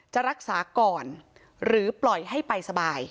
จะรักษาก่อนหรือปล่อยให้ไปสบาย